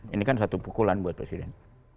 ini kan satu pukulan buat presiden